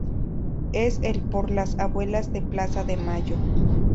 Es el por las Abuelas de Plaza de Mayo.